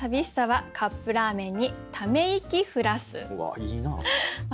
うわあいいなあ。